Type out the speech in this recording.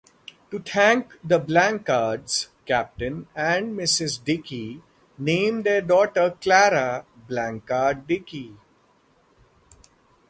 To thank the Blanchards, Captain and Mrs. Dickey named their daughter Clara Blanchard Dickey.